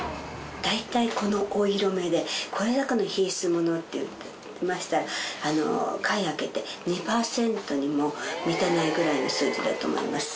大体このお色目でこれだけの品質ものっていいましたら貝開けて。にも満たないぐらいの数値だと思います。